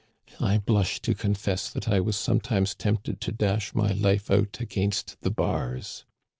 I blush to confess that I was sometimes tempted to dash my life out against the bars.